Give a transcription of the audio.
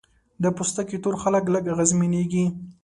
د پوستکي تور خلک لږ اغېزمنېږي.